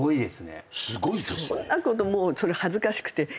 そんなこともう恥ずかしくて。